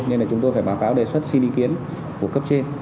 nên là chúng tôi phải báo cáo đề xuất xin ý kiến của cấp trên